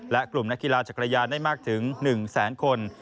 และกลุ่มนักกีฬาจักรยานได้มากถึง๑แสนคน